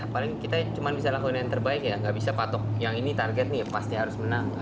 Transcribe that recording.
paling kita cuma bisa lakuin yang terbaik ya nggak bisa patok yang ini target nih ya pasti harus menang